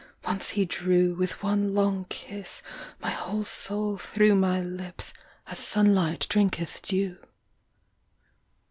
once he drew With one long kiss, my whole soul thro’ My lips, as sunlight drinketh dew.